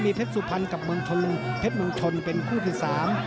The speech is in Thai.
มีเพชรสุพรรณกับเมืองชนเป็นคู่ที่สาม